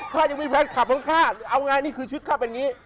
ยังมีแฟนคลับของข้าเอาไงนี่คือชุดข้าเป็นอย่างนี้